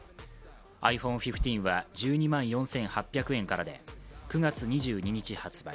ｉＰｈｏｎｅ１５は１２万４８００円からで９月２２日発売。